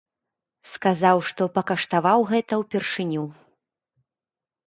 Сказаў, што пакаштаваў гэта ўпершыню.